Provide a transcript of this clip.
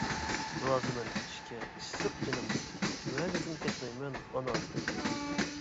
رازىمەن كېچىشكە ئىسسىق جېنىمدىن، ۋە لېكىن كەچمەيمەن ئانا تىلىمدىن!